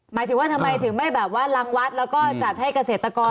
หมายถึงว่าทำไมถึงไม่แบบว่ารังวัดแล้วก็จัดให้เกษตรกร